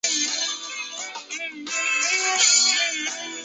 光化学合成是指在光的作用下进行的化合物合成研究。